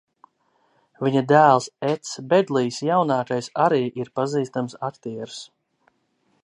Viņa dēls Eds Beglijs jaunākais arī ir pazīstams aktieris.